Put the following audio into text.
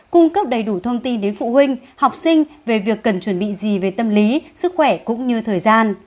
cung cấp đầy đủ thông tin đến phụ huynh học sinh về việc cần chuẩn bị gì về tâm lý sức khỏe cũng như thời gian